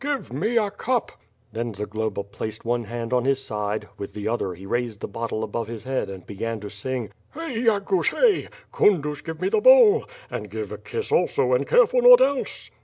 Give me a cup?" Then Zagloba placed one hand on his side, with the other he raised the bottle above his head and began to sing: Hey ! Yafrnsh, Hey ! Kundush frive me the bowl " And Kive a kiss also and care for nought else.'